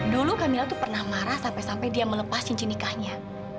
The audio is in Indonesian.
dulu kamilah itu pernah marah sampai sampai dia melepas cincin nikahnya